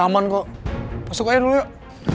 masuk aja dulu yuk